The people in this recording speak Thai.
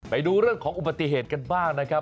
ไปดูเรื่องของอุบัติเหตุกันบ้างนะครับ